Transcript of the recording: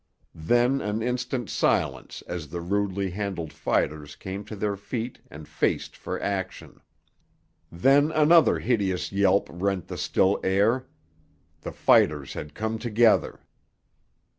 Then an instant's silence as the rudely handled fighters came to their feet and faced for action. Then another hideous yelp rent the still air; the fighters had come together!